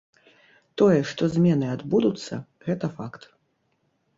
Тое, што змены адбудуцца, гэта факт.